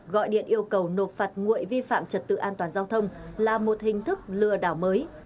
gọi điện yêu cầu nộp phạt nguội vi phạm trật tự an toàn giao thông là một hình thức lừa đảo mới